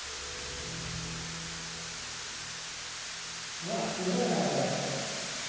うわっすごいなこれ。